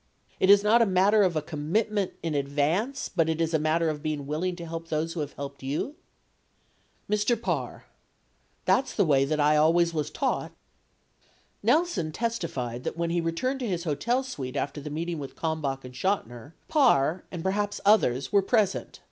It is not a matter of a commitment in advance, but it is a matter of being willing to help those who have helped you? Mr. Parr. That's the way that I always was taught. 7 Nelson testified that when he returned to his hotel suite after the meeting with Kalmbach and Chotiner, Parr and perhaps others were present.